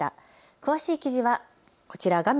詳しい記事はこちら画面